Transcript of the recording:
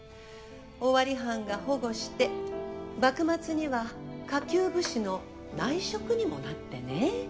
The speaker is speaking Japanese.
尾張藩が保護して幕末には下級武士の内職にもなってね。